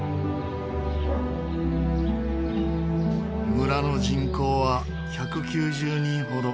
村の人口は１９０人ほど。